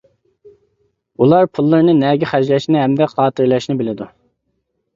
ئۇلار پۇللىرىنى نەگە خەجلەشنى ھەمدە خاتىرىلەشنى بىلىدۇ.